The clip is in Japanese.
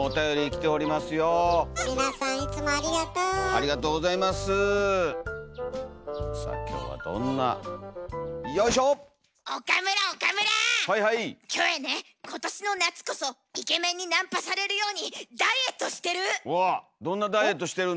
キョエね今年の夏こそイケメンにナンパされるようにダイエットしてる！